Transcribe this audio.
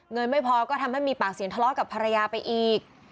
ไม่พอก็ทำให้มีปากเสียงทะเลาะกับภรรยาไปอีก